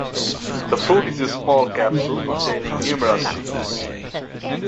The fruit is a small capsule containing numerous seeds.